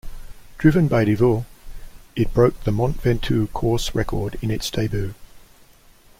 Driven by Divo, it broke the Mont Ventoux course record in its debut.